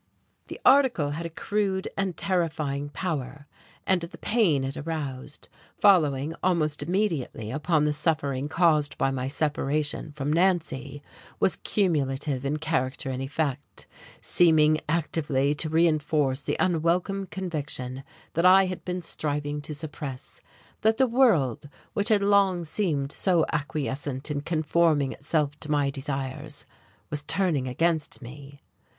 The article had a crude and terrifying power, and the pain it aroused, following almost immediately upon the suffering caused by my separation from Nancy, was cumulative in character and effect, seeming actively to reenforce the unwelcome conviction I had been striving to suppress, that the world, which had long seemed so acquiescent in conforming itself to my desires, was turning against me.